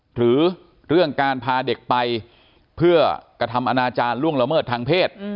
หรือเรื่องการพาเด็กไปเพื่อกระทำอนาจารย์ล่วงละเมิดทางเพศ